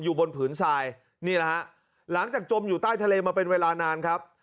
บนผืนทรายนี่แหละฮะหลังจากจมอยู่ใต้ทะเลมาเป็นเวลานานครับ